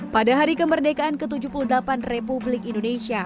pada hari kemerdekaan ke tujuh puluh delapan republik indonesia